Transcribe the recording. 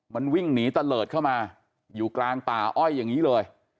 มันวิ่งหนีตะเลิศเข้ามาอยู่กลางป่าอ้อยอย่างนี้เลย